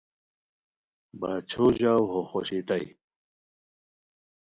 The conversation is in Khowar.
باچھو ژاؤ ہو خوشئیتائے